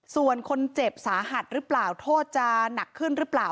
ส่วนคนเจ็บสาหัสหรือเปล่าโทษจะหนักขึ้นหรือเปล่า